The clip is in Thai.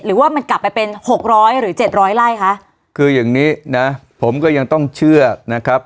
หรือว่ามันกลับไปเป็นหกร้อยหรือเจ็ดร้อยไล่คะคืออย่างนี้นะผมก็ยังต้องเชื่อนะครับ